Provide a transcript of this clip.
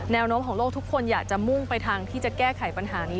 แนวโน้มของโลกทุกคนอยากจะมุ่งไปทางที่จะแก้ไขปัญหานี้